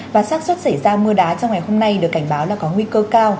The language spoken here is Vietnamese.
và sắc xuất xảy ra mưa đá trong ngày hôm nay được cảnh báo là có nguy cơ cao